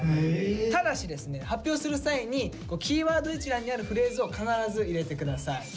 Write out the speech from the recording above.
ただしですね発表する際にキーワード一覧にあるフレーズを必ず入れて下さい。